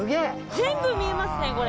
全部見えますねこれ。